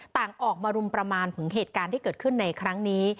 ต่างออกมารุมประมาณถึงเหตุการณ์ที่เกิดขึ้นในครั้งนี้